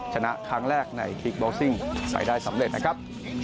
ชนะครั้งแรกในคิกโบซิ่งใส่ได้สำเร็จนะครับ